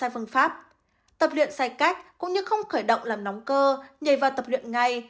không phù hợp tập luyện sai cách cũng như không khởi động làm nóng cơ nhảy vào tập luyện ngay